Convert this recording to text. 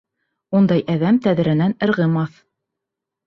Ундай әҙәм тәҙрәнән ырғымаҫ.